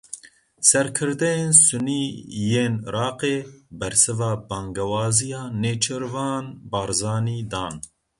Serkirdeyên Sunî yên Iraqê bersiva bangewaziya Nêçîrvan Barzanî dan.